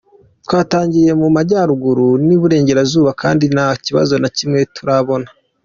Twatangiriye mu Majyaruguru n’Iburengerazuba kandi nta kibazo na kimwe turabona .